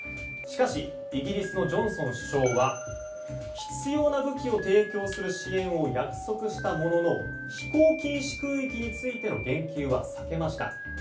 しかし、イギリスのジョンソン首相は必要な武器を提供する支援を約束したものの飛行禁止空域についての言及は避けました。